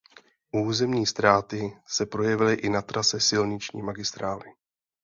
Územní ztráty se projevily i na trase silniční magistrály.